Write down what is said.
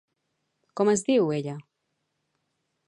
Com es diu, ella?